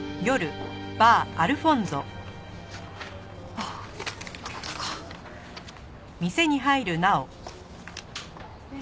あっここか。